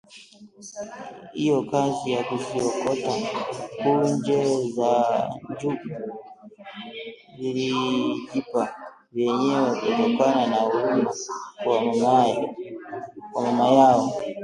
Hiyo kazi ya kuziokota punje za njugu vilijipa vyenyewe kutokana na huruma kwa mama yao